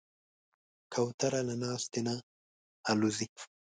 کوتره له ناستې نه الوزي.